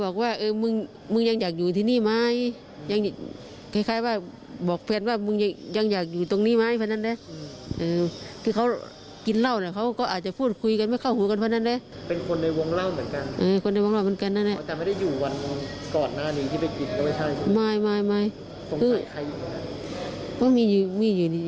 ก่อนที่แฟนจะขับเข้ามามีเสียงอะไรอยู่หลังบ้านเราไหม